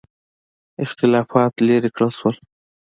اختلافات لیرې کړل شول.